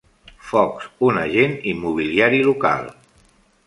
Fox, un agent immobiliari local.